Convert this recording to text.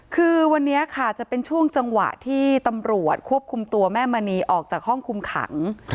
คือวันนี้ค่ะจะเป็นช่วงจังหวะที่ตำรวจควบคุมตัวแม่มณีออกจากห้องคุมขัง